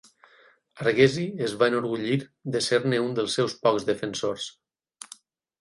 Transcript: Arghezi es va enorgullir de ser-ne un dels seus pocs defensors.